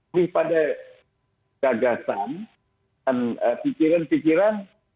lebih pada gagasan dan pikiran pikiran